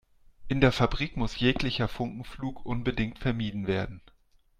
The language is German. In der Fabrik muss jeglicher Funkenflug unbedingt vermieden werden.